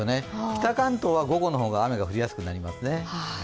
北関東は午後の方が雨が降りやすくなりますね。